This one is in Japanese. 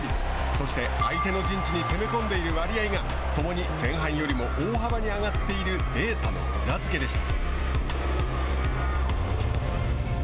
そして、相手の陣地に攻め込んでいる割合が共に前半よりも大幅に上がっているデータの裏付でした。